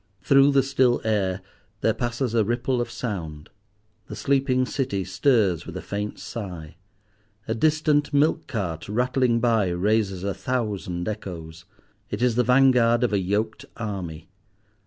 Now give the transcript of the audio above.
Through the still air there passes a ripple of sound. The sleeping City stirs with a faint sigh. A distant milk cart rattling by raises a thousand echoes; it is the vanguard of a yoked army.